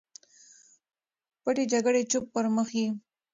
پټې جګړې چوپ پر مخ ځي.